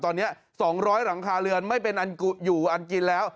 ตอนนี้๒๐๐หลังคาเรือนไม่เป็นอันอยู่อันกินแล้ว